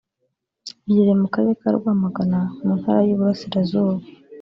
ihereye mu karere ka Rwamagana mu ntara y’iburasirazuba